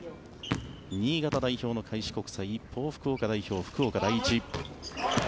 新潟代表の開志国際一方、福岡代表の福岡第一。